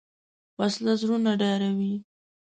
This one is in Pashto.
وسله زړونه ډاروي